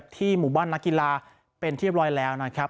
ที่หมู่บ้านนักกีฬาเป็นที่เรียบร้อยแล้วนะครับ